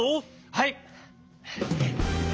はい。